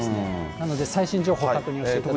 なので最新情報、確認をしてください。